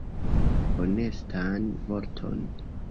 Honestan vorton.